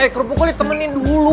eh kerupuk gue temenin dulu